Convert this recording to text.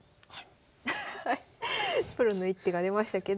プロの一手が出ましたけど。